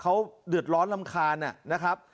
เขาเดือดร้อนรำคาญนะครับ